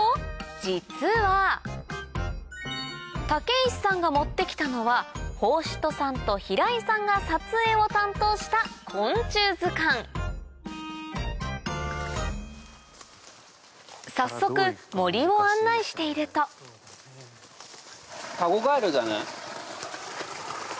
実は武石さんが持ってきたのは法師人さんと平井さんが撮影を担当した昆虫図鑑早速森を案内しているとタゴガエルじゃない？